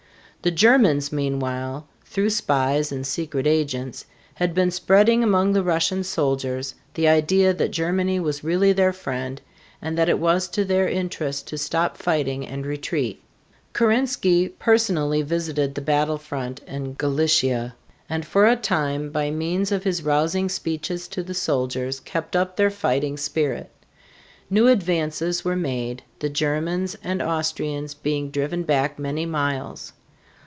The Germans, meanwhile, through spies and secret agents, had been spreading among the Russian soldiers the idea that Germany was really their friend and that it was to their interest to stop fighting and retreat. Kerensky personally visited the battle front in Galicia, and for a time by means of his rousing speeches to the soldiers kept up their fighting spirit. New advances were made, the Germans and Austrians being driven back many miles.